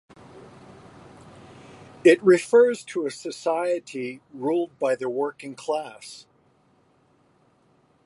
It refers to a society ruled by the working class.